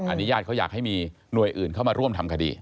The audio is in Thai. อันนี้ญาติเขาอยากให้มีหน่วยอื่นเข้ามาร่วมทำคดี